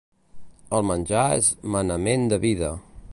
El menjar és manament de vida